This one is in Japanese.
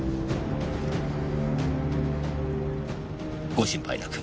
ご心配なく。